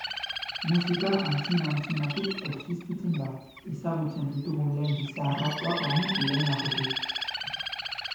Musika antzina-antzinatik existitzen da, ezagutzen ditugun lehen giza-arrastoak baino lehenagotik.